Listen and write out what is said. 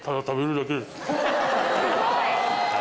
すごい！